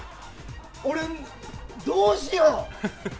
俺、どうしよう！